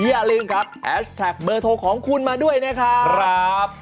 อย่าลืมครับแอดไลน์โทรของคุณมาด้วยนะครับ